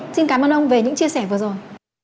xin cảm ơn ông về những chia sẻ vừa rồi